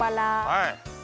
はい。